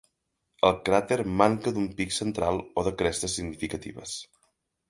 El cràter manca d'un pic central o de crestes significatives.